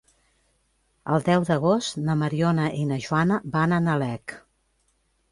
El deu d'agost na Mariona i na Joana van a Nalec.